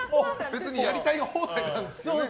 別にやりたい放題なんですよね。